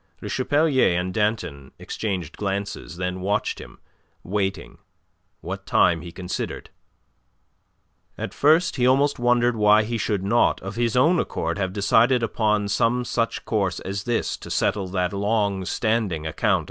Le Chapelier and Danton exchanged glances, then watched him, waiting, what time he considered. At first he almost wondered why he should not of his own accord have decided upon some such course as this to settle that long standing account of M.